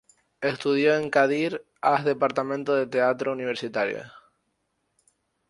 Estudió en Kadir Has departamento de teatro Universitario.